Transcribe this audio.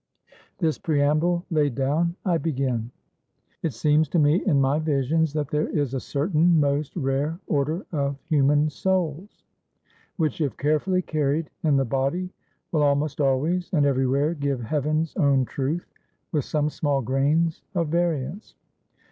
"This preamble laid down, I begin. "It seems to me, in my visions, that there is a certain most rare order of human souls, which if carefully carried in the body will almost always and everywhere give Heaven's own Truth, with some small grains of variance.